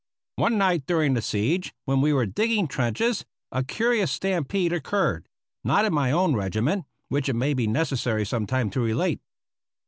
One night during the siege, when we were digging trenches, a curious stampede occurred (not in my own regiment) which it may be necessary some time to relate.